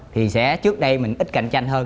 thì sẽ trước đây mình ít cạnh tranh hơn